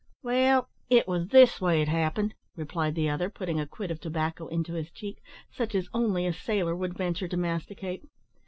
"Well, it was this way it happened," replied the other, putting a quid of tobacco into his cheek, such as only a sailor would venture to masticate.